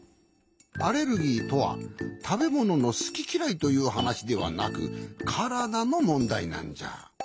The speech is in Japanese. アレルギーとはたべもののすききらいというはなしではなくからだのもんだいなんじゃ。